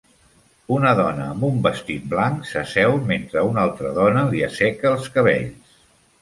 Una dona amb un vestit blanc s'asseu mentre una altra dona li asseca els cabells.